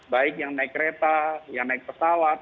baik yang naik kereta yang naik pesawat